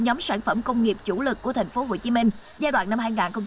nhóm sản phẩm công nghiệp chủ lực của tp hcm giai đoạn năm hai nghìn hai mươi hai nghìn hai mươi